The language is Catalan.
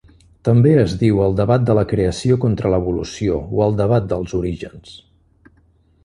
També es diu "el debat de la creació contra l'evolució" o "el debat dels orígens".